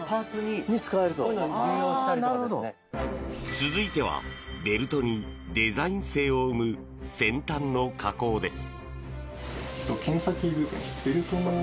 続いてはベルトにデザイン性を生む先端の加工です。